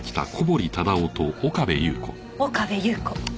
岡部祐子。